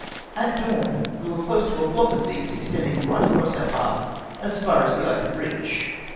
At dawn we were close to a block of these, extending right across our path as far as the eye could reach.